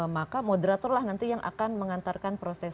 maka moderator lah nanti yang akan mengantarkan proses